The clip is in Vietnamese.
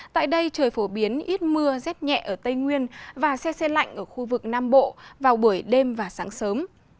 tại đây trời phổ biến ít mưa rét nhẹ ở tây nguyên và xe xe lạnh ở khu vực nam bộ vào buổi đêm và sáng sớm